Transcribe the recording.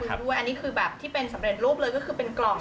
ด้วยอันนี้คือแบบที่เป็นสำเร็จรูปเลยก็คือเป็นกล่อง